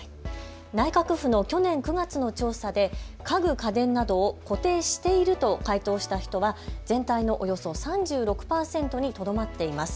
内閣府の去年９月の調査で家具・家電などを固定していると回答した人は全体のおよそ３６％にとどまっています。